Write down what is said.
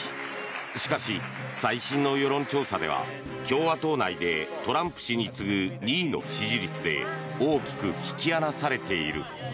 しかし、最新の世論調査では共和党内でトランプ氏に次ぐ２位の支持率で大きく引き離されている。